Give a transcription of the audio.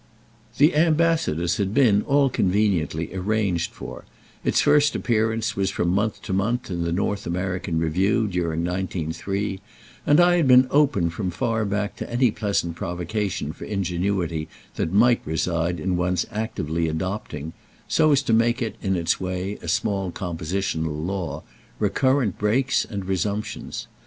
"The Ambassadors" had been, all conveniently, "arranged for"; its first appearance was from month to month, in the North American Review during 1903, and I had been open from far back to any pleasant provocation for ingenuity that might reside in one's actively adopting—so as to make it, in its way, a small compositional law—recurrent breaks and resumptions.